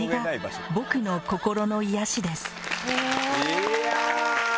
いや！